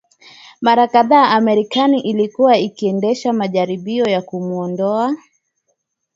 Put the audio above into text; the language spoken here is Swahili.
Mara kadhaa Marekani ilikuwa ikiendesha majaribio ya kumuondoa